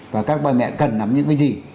và các bà mẹ cần nắm những cái gì